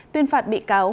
tuyên phạt bị cáo